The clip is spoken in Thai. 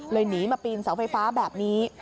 หนีมาปีนเสาไฟฟ้าแบบนี้